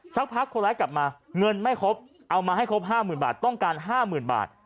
สักพักคนร้ายกลับมาเงินไม่ครบเอามาให้ครบ๕๐๐๐บาทต้องการ๕๐๐๐บาท